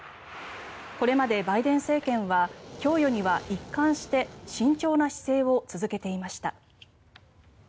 これまでバイデン政権は供与には一貫して慎重な姿勢を続けていました。